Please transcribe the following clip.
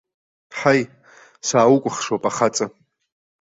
Ҳаи, сааукәыхшоуп, ахаҵа!